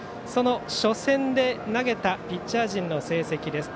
初戦で投げたピッチャー陣の成績です。